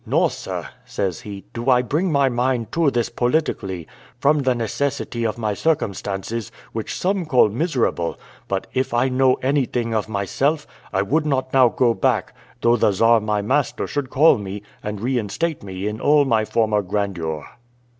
"Nor, sir," says he, "do I bring my mind to this politically, from the necessity of my circumstances, which some call miserable; but, if I know anything of myself, I would not now go back, though the Czar my master should call me, and reinstate me in all my former grandeur."